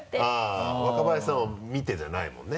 若林さんを見てじゃないもんね。